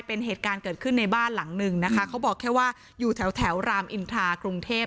เป็นเหตุการณ์เกิดขึ้นในบ้านหลังหนึ่งนะคะเขาบอกแค่ว่าอยู่แถวแถวรามอินทรากรุงเทพ